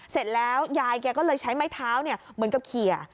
เสร็จแล้วยายแกก็เลยใช้ไม้เท้าเหมือนกับเขีย